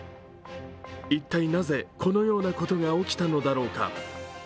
一体なぜこのようなことが起きたのだろうか。